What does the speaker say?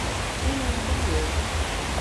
Ele entendeu